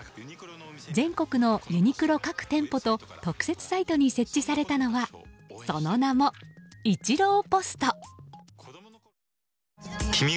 全国のユニクロ各店舗と特設サイトに設置されたのはその名も、イチローＰＯＳＴ。